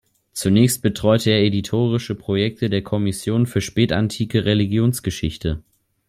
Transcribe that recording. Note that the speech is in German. Zunächst betreute er editorische Projekte der Kommission für spätantike Religionsgeschichte.